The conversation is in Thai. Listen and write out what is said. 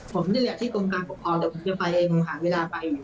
ผมอยากที่กรงการปกครองเดี๋ยวผมจะไปผมหาเวลาไป